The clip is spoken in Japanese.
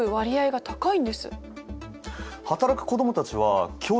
はい。